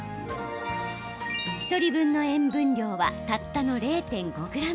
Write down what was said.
１人分の塩分量はたったの０．５ｇ。